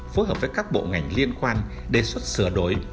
phối hợp với các bộ ngành liên quan đề xuất sửa đổi